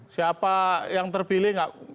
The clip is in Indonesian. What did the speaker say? siapa yang terpilih